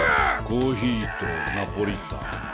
コーヒーとナポリタン。